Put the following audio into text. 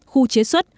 khu chế xuất